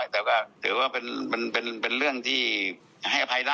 แต่ก็เถอว่ามีเป็นเรื่องที่ให้อภัยได้นะครับ